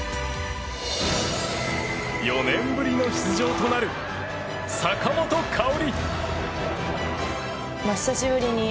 ４年ぶりの出場となる坂本花織。